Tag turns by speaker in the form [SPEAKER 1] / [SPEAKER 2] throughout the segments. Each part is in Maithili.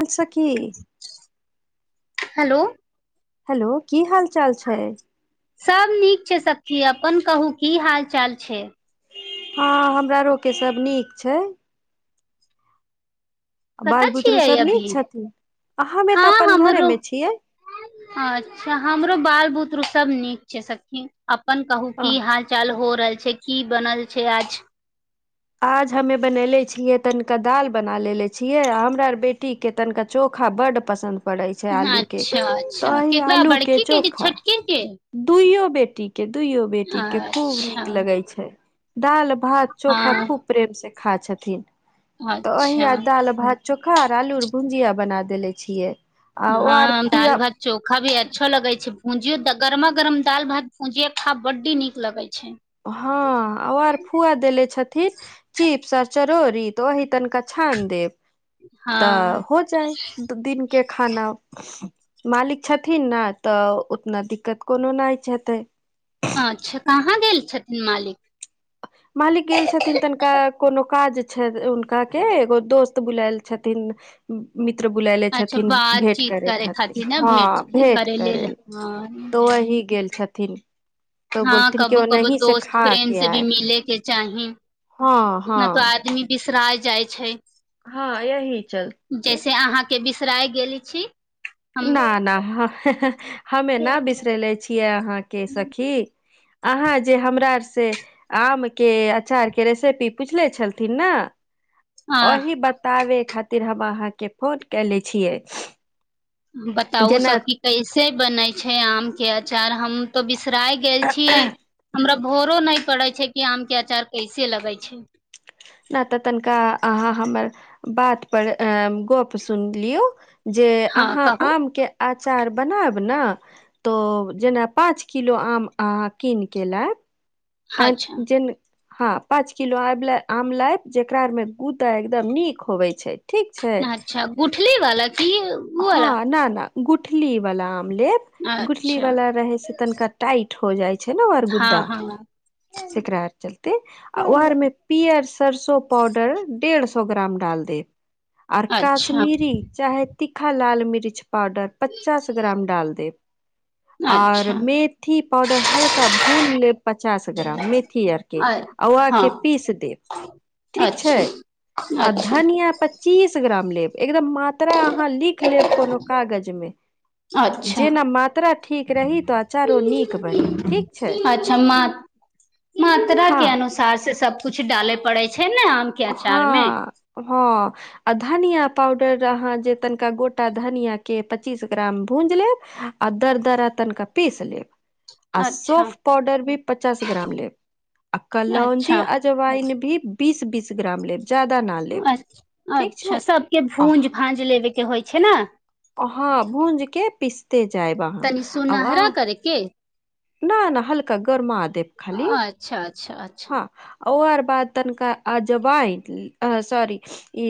[SPEAKER 1] अच्छा की
[SPEAKER 2] हेलो
[SPEAKER 1] हेलो की हाल चाल छैय?
[SPEAKER 2] सब नीक छैय सखी अपन कहू की हाल चाल छैय?
[SPEAKER 1] हँ हमरा आरोके सब नीक छैय।
[SPEAKER 2] कतऽ
[SPEAKER 1] बाल बुतरु
[SPEAKER 2] छियै
[SPEAKER 1] सब
[SPEAKER 2] अभी
[SPEAKER 1] नीक छथिन हमे
[SPEAKER 2] हँ
[SPEAKER 1] तऽ अपन घरे
[SPEAKER 2] हमरो
[SPEAKER 1] मे छियै।
[SPEAKER 2] अच्छा हमरो बाल बुतरु सब नीक छैय सखि अपन कहू
[SPEAKER 1] अ
[SPEAKER 2] की हाल कल्हि हो रहल छैय की बनल छैय आज?
[SPEAKER 1] आज हमे बनेलै छियै तनिका दाल बना लेेले छियै हमरा आर बेटी केतन का चोखा बड पसंन्द पड़े छै आलू के
[SPEAKER 2] अच्छा अच्छा
[SPEAKER 1] तहि
[SPEAKER 2] केकरा
[SPEAKER 1] आलू के
[SPEAKER 2] बड़की कि
[SPEAKER 1] चोखा
[SPEAKER 2] छोटकी के
[SPEAKER 1] दुइयो बेटीके दुइयो बेटीके खूब नीक
[SPEAKER 2] अच्छा
[SPEAKER 1] लगैत छै दाल भात चोखा
[SPEAKER 2] हँ
[SPEAKER 1] खूब प्रेम से खा छथिन तऽ
[SPEAKER 2] अच्छा
[SPEAKER 1] अहिया दाल भात चोखा आर आलू भुजिया बना देेले छियै ओ आर
[SPEAKER 2] हँ दाल भात चोखा भी अच्छो लगे छै भूंजियो गरमा गरम दाल भात भूंजिया खा बडे नीक लगे छै
[SPEAKER 1] हँ ओ आर फुआ देले छथिन चिप्स आर चरौरी तऽ ओहि तनिका छान देब तऽ
[SPEAKER 2] हँ
[SPEAKER 1] हो जाय त दिन के खाना मालिक छथिन ने तऽ उतना दिक्कत कोनो नाए हेतै
[SPEAKER 2] अच्छ कहाँ गेल छथिन मालिक
[SPEAKER 1] मालिक गेल छथिन तनका कोनो काज छै हुनका के एगो दोस्त बुलायल छथिन मित्र बुलले
[SPEAKER 2] अच्छा
[SPEAKER 1] छथिन भेट
[SPEAKER 2] बातचीत
[SPEAKER 1] करे खातिर
[SPEAKER 2] ने
[SPEAKER 1] हँ
[SPEAKER 2] भेंट
[SPEAKER 1] भेट करे ल
[SPEAKER 2] [unintelligible]
[SPEAKER 1] तो ओही गेल छथिन तो
[SPEAKER 2] हँ
[SPEAKER 1] बोलथिन कि
[SPEAKER 2] कबो कबो
[SPEAKER 1] ओनही से
[SPEAKER 2] दोस्त
[SPEAKER 1] खा
[SPEAKER 2] प्रेम
[SPEAKER 1] के
[SPEAKER 2] से भी
[SPEAKER 1] आए
[SPEAKER 2] मिलेके चाहि
[SPEAKER 1] हँ
[SPEAKER 2] [inaudible]
[SPEAKER 1] हँ
[SPEAKER 2] ने तऽ आदमी बिसरा जाइ छै
[SPEAKER 1] हँ यही
[SPEAKER 2] [inaudible]
[SPEAKER 1] चलते
[SPEAKER 2] जैसे अहाँके बिसराय गेल छी हम
[SPEAKER 1] न ना [unintelligible] हमे नहि बिसरेले छियै अहाँके सखी अहाँ जे हमरा आर से आम के अचार के रेसिपी पूछले छलथिन ने
[SPEAKER 2] अ
[SPEAKER 1] ओही बताबै खातिर हम अहाँके फोन कनेे छियै
[SPEAKER 2] बताउ
[SPEAKER 1] जेना
[SPEAKER 2] सखि कैसे बनै छै आम के अचार हम तो बिसराय गेल छियै हमरा भोरो न पड़े छै कि आम के अचार कैसे लगे छै
[SPEAKER 1] नहि तऽ तनिका अहाँ हमर बात पर अ गप सुन लियौ जे
[SPEAKER 2] हँ
[SPEAKER 1] अहाँ
[SPEAKER 2] कहू
[SPEAKER 1] आम के अचार बनायब ने तऽ जेना पाँच किलो आम अहाँ कीन के लाइब
[SPEAKER 2] अच्छा
[SPEAKER 1] [unintelligible] हँ पाँच किलो आम लाय जेकरा आर मे गूदा एकदम नीक होवे छै ठीक छै
[SPEAKER 2] अच्छा गुठली वाला की
[SPEAKER 1] [inaudible]
[SPEAKER 2] उ
[SPEAKER 1] हँ
[SPEAKER 2] वाला
[SPEAKER 1] न न गुठली वाला आम लेब गुठली
[SPEAKER 2] अच्छा
[SPEAKER 1] वाला रहै छै तनिका टाइट हो जाइ छै ने ओ आर गुद्दा
[SPEAKER 2] हँ हँ
[SPEAKER 1] [inaudible] सेकरा आर चलते आ ओर मे पियर सरसो पाउडर डेढ़ सौ ग्राम डाल देब और
[SPEAKER 2] अच्छा
[SPEAKER 1] कश्मीरी चाहे तीखा लाल मिर्च पावउडर पचास ग्राम डाल देब और
[SPEAKER 2] अच्छा
[SPEAKER 1] मेथी पाउडर हल्का भून लेब पचास ग्राम मेथी आर के
[SPEAKER 2] अ
[SPEAKER 1] और आ
[SPEAKER 2] हँ
[SPEAKER 1] के पीस देब ठीक छै
[SPEAKER 2] अच्छा
[SPEAKER 1] आ
[SPEAKER 2] अच्छा
[SPEAKER 1] धनिया पच्चीस ग्राम लेब एकदम मात्र तकरा अहाँ लिख लेब कोनो कागज मे
[SPEAKER 2] अच्छा
[SPEAKER 1] जेना मात्रा ठीक रही तऽ अचारो नीक बनी ठीक छै
[SPEAKER 2] [unintelligible] मात्रा
[SPEAKER 1] हँ
[SPEAKER 2] के अनुसार से सबकुछु डाले पड़े छै ने के अचार मे
[SPEAKER 1] हँ [inaudible] है आ धनिया पाउडर अहाँ जे तनिका गोटा धनिय के पच्चीस ग्राम भूजि लेब आ दर दर तनिका पीस लेब आ
[SPEAKER 2] अच्छा
[SPEAKER 1] सोफ पाउडर भी पचास ग्राम लेब आ कलौनजी
[SPEAKER 2] अच्छा
[SPEAKER 1] आ जवाइन भी बीस बीस ग्राम लेब ज्यादा ना लेब
[SPEAKER 2] अच्छा
[SPEAKER 1] ठीक
[SPEAKER 2] अच्छा
[SPEAKER 1] छै
[SPEAKER 2] सबके
[SPEAKER 1] आ
[SPEAKER 2] भूज भाँज लेबे के होइ छै न
[SPEAKER 1] अहाँ भूज के पिसते जायब अहाँ वा
[SPEAKER 2] कि
[SPEAKER 1] न न हल्का गरमा देव
[SPEAKER 2] अच्छा अच्छा
[SPEAKER 1] हँ ओ आर बाद तनिका आ जबाइ सॉरी ई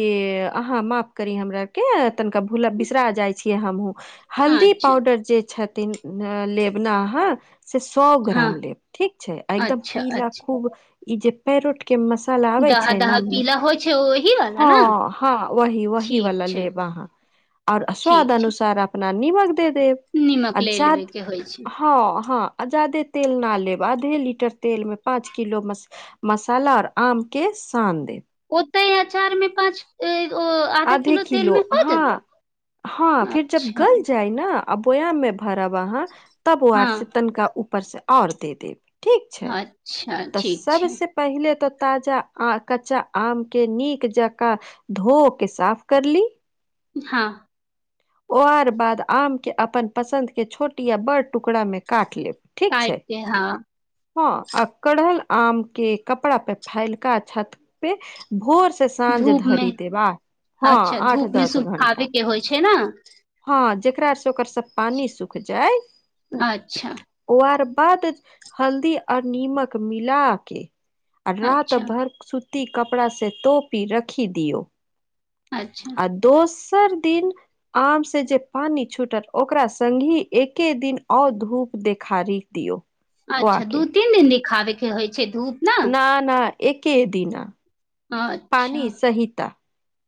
[SPEAKER 1] अहाँ माफ करी हमरार के तनिका भूला बिसरा जाय छीये हमहु हल्दी
[SPEAKER 2] अच्छा
[SPEAKER 1] पाउडर जे छथिन अ लेबना अहाँ से सए
[SPEAKER 2] हँ
[SPEAKER 1] ग्राम लेब ठीक छै आ एकदम
[SPEAKER 2] अच्छा
[SPEAKER 1] पीला
[SPEAKER 2] अच्छा
[SPEAKER 1] खूब ई जे पेरोट के मसाला आबे
[SPEAKER 2] दहा
[SPEAKER 1] छै
[SPEAKER 2] दहा
[SPEAKER 1] न
[SPEAKER 2] पीला होइ छै ओहि वाला ने
[SPEAKER 1] हँ हँ वही वही
[SPEAKER 2] ठीक
[SPEAKER 1] वाला
[SPEAKER 2] छै
[SPEAKER 1] लेब वाँ आओर स्वाद अनुसार अपना नीमक दे देब
[SPEAKER 2] नीमक लै लेबे के होइ छै
[SPEAKER 1] ह ह जादे तेल ना लेब आधे लीटर तेल मे पाँच किलो मसाला आऔर आम के सान देव
[SPEAKER 2] ओतै य चार मे पाँच ओ [unintelligible]
[SPEAKER 1] आधे
[SPEAKER 2] तेल
[SPEAKER 1] किलो
[SPEAKER 2] मे हो जेतै
[SPEAKER 1] हँ हँ फिर जब
[SPEAKER 2] अच्छा
[SPEAKER 1] गल जायि न अ बोयाम मे भरब अहाँ तब वा आर से
[SPEAKER 2] हँ
[SPEAKER 1] तनिका ऊपर से और दे देब ठीक छै
[SPEAKER 2] अच्छा
[SPEAKER 1] तऽ
[SPEAKER 2] ठीक छै
[SPEAKER 1] सबसे पहिले तऽ ताजा कच्चा आम के नीक जकाँ धो के साफ कर ली
[SPEAKER 2] हँ
[SPEAKER 1] ओ आर बाद आम के अपन पसन्द के छोटि या बड़ टुकड़ा मे काट लेब ठीक छै
[SPEAKER 2] काईटके हँ
[SPEAKER 1] हँ आ कढ़ल आम के कपड़ा पे फैलक छत पे भोर से साँझ
[SPEAKER 2] धूप मे
[SPEAKER 1] धरी दे बा हँ
[SPEAKER 2] अच्छा
[SPEAKER 1] आठ
[SPEAKER 2] धूप मे
[SPEAKER 1] दस
[SPEAKER 2] सुखाबे
[SPEAKER 1] घण्टा
[SPEAKER 2] के होइ छै न
[SPEAKER 1] हँ जेकरा स ओकर सब पानी सुख जाय
[SPEAKER 2] अच्छा
[SPEAKER 1] ओआर बाद हल्दी आओर नीमक मिल के रात
[SPEAKER 2] अच्छा
[SPEAKER 1] भर सूती कपड़ा से तोपी रखी दियौ
[SPEAKER 2] अच्छा
[SPEAKER 1] आ दोसर दिन आम से जे पानी छूटत ओकरा संगहि एके दिन और धूप देखारी दियऔ
[SPEAKER 2] अच्छा दू तीन दिन दिखाबे के होइ छै धूप ने
[SPEAKER 1] न न एके दिना पानी
[SPEAKER 2] अच्छा
[SPEAKER 1] सहिता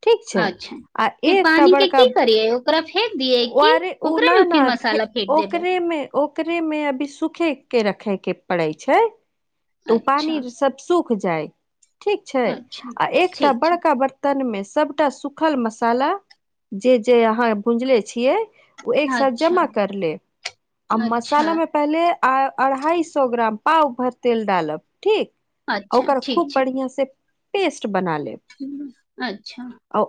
[SPEAKER 1] ठीक छै आ एकटा बड़का
[SPEAKER 2] रै ओकरा फेेक दिय
[SPEAKER 1] वारे उनानार फ
[SPEAKER 2] देबै
[SPEAKER 1] ओकरेमे ओकरे मे अभी सूखे के रखे के पड़े छै तऽ ओ
[SPEAKER 2] अच्छा
[SPEAKER 1] पानि सब सुख जाइ ठीक छै
[SPEAKER 2] अच्छा
[SPEAKER 1] आ एकटा
[SPEAKER 2] ठीक छै
[SPEAKER 1] बड़का ब तन मे सबटा सुखल मसाला जे जे अहाँ भूजले छियै ओ एक साल
[SPEAKER 2] अच्छा
[SPEAKER 1] जमा कर ले आ
[SPEAKER 2] अच्छा
[SPEAKER 1] मसालामे पहिले अढ़ाई सए ग्राम पाव भर तेल डालब ठीक
[SPEAKER 2] अच्छा
[SPEAKER 1] ओकर
[SPEAKER 2] ठीक
[SPEAKER 1] खूब
[SPEAKER 2] छै
[SPEAKER 1] बढ़ियाँ से पेस्ट बना लेब
[SPEAKER 2] अच्छा
[SPEAKER 1] आओ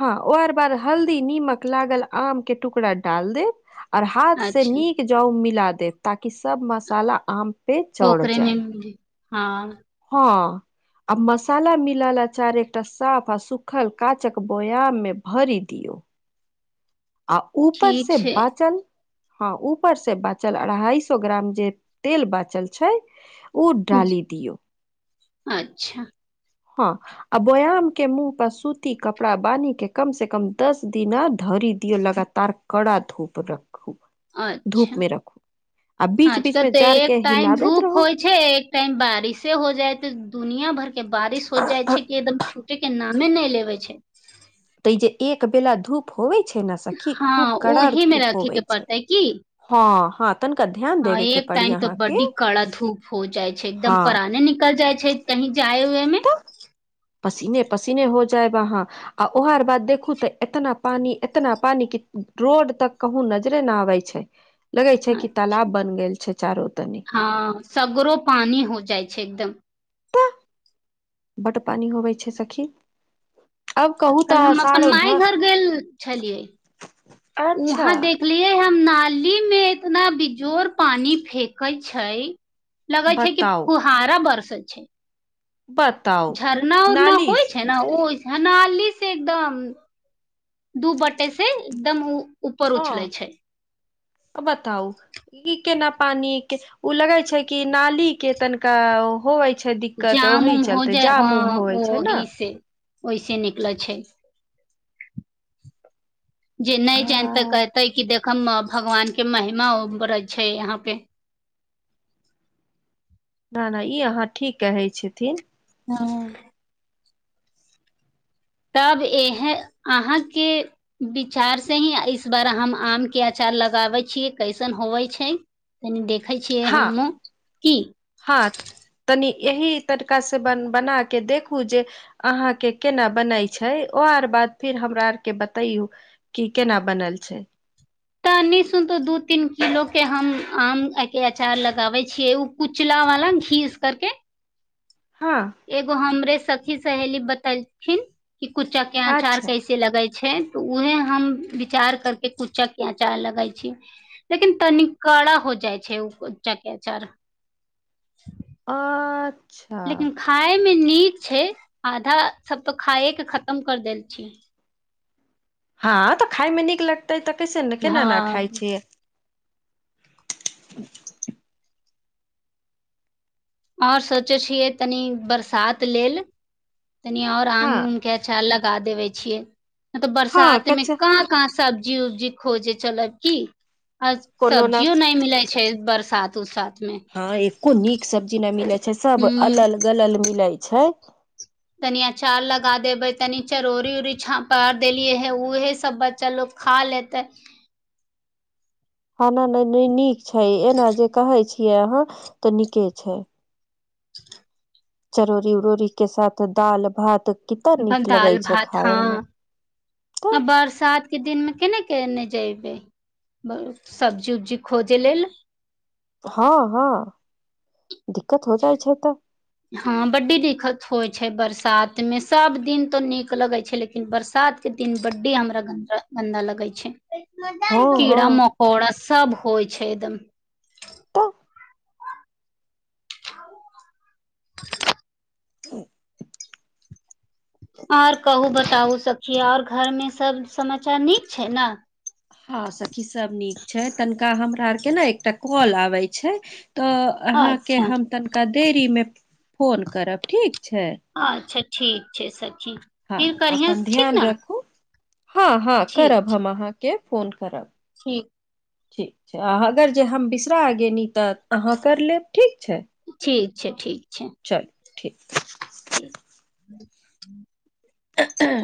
[SPEAKER 1] हँ और बार हल्दी नीमक लागल आम के टुकड़ा डाल देब आओर हाथ से
[SPEAKER 2] अच्छा
[SPEAKER 1] नीक जाउ मिला देब ताकि सब मसाला आम पे चढ़
[SPEAKER 2] ओकरे
[SPEAKER 1] जाय
[SPEAKER 2] मेन हँ
[SPEAKER 1] हँ आ मसाला मिलाल अँचार एकटा साफ आ सुखल काँचक बोयाममे भरि दियौ आ ऊपर
[SPEAKER 2] ठीक
[SPEAKER 1] से
[SPEAKER 2] छै
[SPEAKER 1] बाँचल हँ ऊपर से बाँचल अढ़ाई सौ ग्राम जे तेल बाँचल छै उ डाली
[SPEAKER 2] ज-
[SPEAKER 1] दियौ
[SPEAKER 2] अच्छा
[SPEAKER 1] हँ आ बोयामके मुँह पर सूती कपड़ा बानीके कमसँ कम दस दिना धरि दियौ लगातार कड़ा धूप रखू धूप
[SPEAKER 2] अच्छा
[SPEAKER 1] मे रखू आ बीच बीच
[SPEAKER 2] आजकल
[SPEAKER 1] मे
[SPEAKER 2] तऽ
[SPEAKER 1] जार के
[SPEAKER 2] एक टाइम
[SPEAKER 1] हिलाबैत
[SPEAKER 2] धूप
[SPEAKER 1] रहू
[SPEAKER 2] होइ छै एक टाइम बारिशे हो जायत दुनियाँ भर के बारिश हो जाइ छै कि एकदम छु टेके नामे नहि लेबै छै
[SPEAKER 1] तऽ ई जे एक बेेला धूप होवै छै न
[SPEAKER 2] हँ ओहे मे रखेके पड़तै की
[SPEAKER 1] हँ हँ तनिका ध्यान
[SPEAKER 2] हँ
[SPEAKER 1] देबे के
[SPEAKER 2] एक
[SPEAKER 1] पड़ी
[SPEAKER 2] टाइम तऽ
[SPEAKER 1] अहाँके
[SPEAKER 2] बड्डी कड़ा धूप हो जाइ छै एकदम
[SPEAKER 1] हँ
[SPEAKER 2] पराने निकल जाइ छै कहीं जाए उए मे
[SPEAKER 1] तऽ पसीने पसीने हो जाएब अहाँ आ ओहार बाद देखू तऽ एतना पानी एतना पानी की रोड तक कहुं नजरे न आबै छै लगै छै कि तालाब बन गेल छै चारो तनी
[SPEAKER 2] हँ सगरो पानी हो जाइ छै एकदम
[SPEAKER 1] तऽ बड्ड पानी होबै छै सखी आब कहू
[SPEAKER 2] कल
[SPEAKER 1] तऽ
[SPEAKER 2] हम
[SPEAKER 1] आषाढ़
[SPEAKER 2] अपन माय
[SPEAKER 1] भ
[SPEAKER 2] घर गेल छलियै
[SPEAKER 1] अच्छा
[SPEAKER 2] उहाँ देख देखलियै हम नाली मे एतना बेजोड़ पानी फेकैइ छै लगै छै कि
[SPEAKER 1] बताउ
[SPEAKER 2] फुहारा बरसै छै
[SPEAKER 1] बत
[SPEAKER 2] झरना उरना होइ छै ने ओइस हनाली से एकदम दू बटे से एकदम ऊपर उछलै छै
[SPEAKER 1] क बताउ ई केना पानी के उ लगै छै कि नाली के तनिका होवै
[SPEAKER 2] जाम उम हो जाय हँ
[SPEAKER 1] होवे
[SPEAKER 2] ओ
[SPEAKER 1] छै ने
[SPEAKER 2] ओहि से ओहिसे निकलै छै जे नहि जानितै कहतै कि देखमब भगवान के महिमा उबरैछै यहाँ पे
[SPEAKER 1] न न ई अहाँ ठीक कहै छथिन
[SPEAKER 2] हँ तब एहे अहाँ के विचार से ही इस बार हम आम के अँचार लगाबै छियै कैसन होवै छै तनी देखै छियै
[SPEAKER 1] हँ
[SPEAKER 2] हमहुँ की
[SPEAKER 1] हँ तनि एही तरीका से बन बना के देखू जे अहाँ के केना बनै छै ओ आर बाद फेर हमरा आर के बात बतैयू की केना बनल छै
[SPEAKER 2] तऽ निशु सुनतो दू तीन किलोके हम आम आके अचार लगाबै छियै ओ। उजला वाला घीस करके।
[SPEAKER 1] हँ।
[SPEAKER 2] एगो हमरे सखी सहेली बतेलथिन कऽ कुच्चा के आचार
[SPEAKER 1] अच्छा
[SPEAKER 2] कैसे। से लगै छै, तऽ उहे हम विचार करके कुच्चाके आचार लगै छै। लेकिन तनि कड़ा हो जाए छे, कुच्चके अचार
[SPEAKER 1] आ।
[SPEAKER 2] लेकिन खायमे निक छै, आधा सभ तऽ खाय के खतम कर देल छी।
[SPEAKER 1] हँ, तऽ खायमे निक लगते तऽ कैसे ने केना ने
[SPEAKER 2] हँ
[SPEAKER 1] खाइ छियै।
[SPEAKER 2] और सोचे छियै तनी बरसात लेलऽ तनि और
[SPEAKER 1] हँ
[SPEAKER 2] आम उम अच्छा, लगा देबे छियै मतलब
[SPEAKER 1] हँ
[SPEAKER 2] बरसात मे
[SPEAKER 1] कच्चा
[SPEAKER 2] कहाँ कहाँ। सब्जी उब्जी खोजे चलब कि आ
[SPEAKER 1] कोनो ने
[SPEAKER 2] सब्जियो नहि मिलै। छै, बरसात उरसातमे।
[SPEAKER 1] हा एको निक सब्जी ने मिले छै, सभ
[SPEAKER 2] हूं
[SPEAKER 1] अलल गलल मिले छै।
[SPEAKER 2] तनि अँचार लगा देबै, तनी चरौरी उऊरी छा पार देलियै है ऊहे सभ बच्चा लोग। खा लेतै।
[SPEAKER 1] हँ, नहि नहि नहि निक छै, एना जे कहे छियै अहाँ तऽ नीके छै।
[SPEAKER 2] [inaudible]
[SPEAKER 1] चरौरी उरौरीके साथ दाल भात कितना निक लगे
[SPEAKER 2] दाल
[SPEAKER 1] छै
[SPEAKER 2] भात हँ
[SPEAKER 1] खायमे।
[SPEAKER 2] बरसात के दिनमे केना केने जेयबे। सब्जी उब्जी खोजै लेल।
[SPEAKER 1] हँ, हँ, दिक्कत हो जाइ छै। तऽ
[SPEAKER 2] हँ, बड्डी दिक्कत होइ छै, बरसात मे सभ दिन तो निक लगे छै, लेकिन बरसात। के दिन बड्डे हमरा गन्दा गन्दा लगे छै।
[SPEAKER 1] हँ हँ
[SPEAKER 2] कीड़ा मकोड़ा सभ होइ छै एकदम।
[SPEAKER 1] तऽ
[SPEAKER 2] [inaudible]
[SPEAKER 1] त।
[SPEAKER 2] ओर कहू बताबू सभची ओर घरमे सभ समाचार निक छै ने।
[SPEAKER 1] हँ, सखी सभ निक छै, तनिका हमरा आरके ने एकटा। कॉल आबे छै, तऽ अहाके
[SPEAKER 2] अच्छा
[SPEAKER 1] हम तन तऽ बेरीमे फोन करब ठीक छै।
[SPEAKER 2] अच्छा, ठीक छै, सखि
[SPEAKER 1] हँ
[SPEAKER 2] फिर करिया
[SPEAKER 1] अपन
[SPEAKER 2] ठीक
[SPEAKER 1] ध्यान
[SPEAKER 2] ने
[SPEAKER 1] राखू हँ, हँ,
[SPEAKER 2] ठीक
[SPEAKER 1] करब हम अहाँकेँ फोन करब।
[SPEAKER 2] ठीक।
[SPEAKER 1] ठीक छै, आ अगर जे हम बिसरा गेनि तऽ अहाँ कर लेब ठीक छै।
[SPEAKER 2] ठिक छै, ठिक छै।
[SPEAKER 1] चलू ठीक।
[SPEAKER 2] ठीक।
[SPEAKER 1] एह ऐ। [unintelligible]